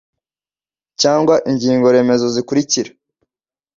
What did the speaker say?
cyangwa ingingo remezo zikurikira